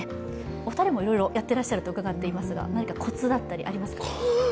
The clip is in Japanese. お二人もいろいろやっていらっしゃると伺っていますが、何かコツだったり、ありますか？